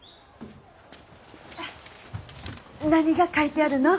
何が書いてあるの？